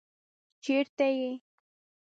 چېرته دی؟